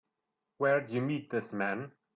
Where'd you meet this man?